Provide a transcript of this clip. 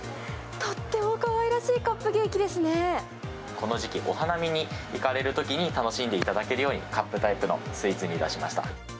とってもかわいらしいカップケーこの時期、お花見に行かれるときに楽しんでいただけるように、カップタイプのスイーツにいたしました。